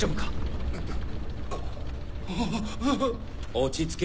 落ち着け